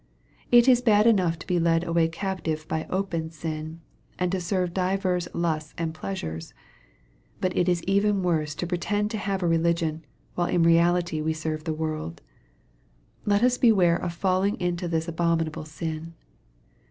It is bad enough to be led away captive by open sin, and to serve divers lusts and pleasures. But it is even worse to pretend to have a religion, while in reality we serve the world. Let us beware of falling into this abominable sin.